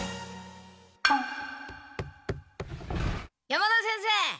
山田先生。